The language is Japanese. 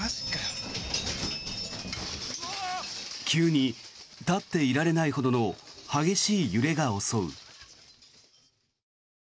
急に立っていられないほどの激しい揺れが襲う。